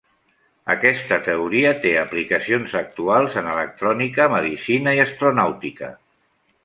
Aquesta teoria té aplicacions actuals en electrònica, medicina i astronàutica.